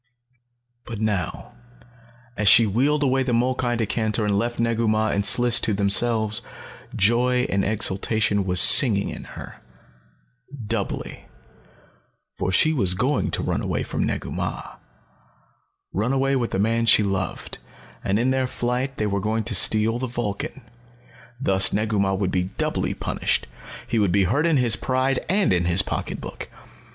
But now, as she wheeled away the molkai decanter and left Negu Mah and Sliss to themselves, joy and exultation was singing in her. Doubly. For she was going to run away from Negu Mah, run away with the man she loved, and in their flight they were going to steal the Vulcan. Thus Negu Mah would be doubly punished. He would be hurt in his pride and in his pocketbook.